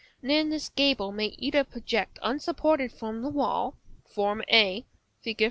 Then this gable may either project unsupported from the wall, a, Fig.